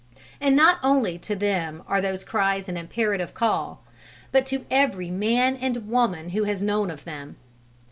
And not only to them are those cries an imperative call, but to every man and woman who has known of them.